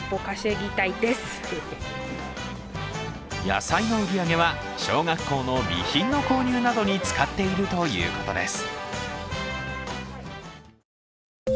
野菜の売り上げは小学校の備品の購入などに使っているということです。